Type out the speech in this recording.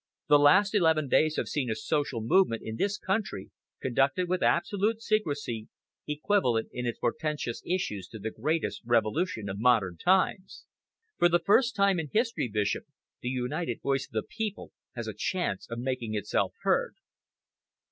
"The last eleven days have seen a social movement in this country, conducted with absolute secrecy, equivalent in its portentous issues to the greatest revolution of modern times. For the first time in history, Bishop, the united voice of the people has a chance of making itself heard."